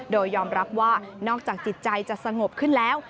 โดยยอมรับว่านอกจากจิตใจจะสงบขึ้นแล้ว